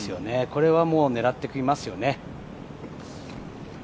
これは狙ってきますよね。